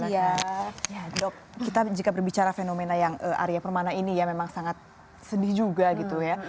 iya dok kita jika berbicara fenomena yang arya permana ini ya memang sangat sedih juga gitu ya